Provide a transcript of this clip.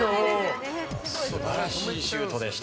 素晴らしいシュートでした。